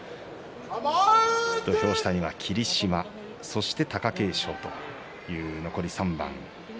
土俵下には霧島、そして貴景勝と残り３番。